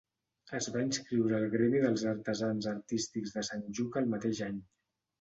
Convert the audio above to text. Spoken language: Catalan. Es va inscriure al gremi dels artesans artístics de Sant Lluc el mateix any.